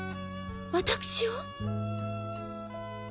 私を？